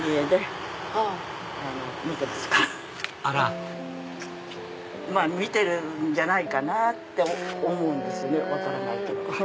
あらまぁ見てるんじゃないかなって思うんですよね分からないけど。